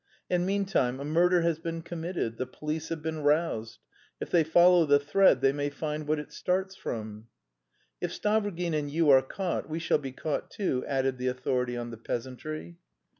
And meantime a murder has been committed, the police have been roused; if they follow the thread they may find what it starts from." "If Stavrogin and you are caught, we shall be caught too," added the authority on the peasantry.